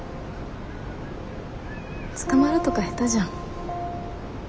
捕まるとか下手じゃん。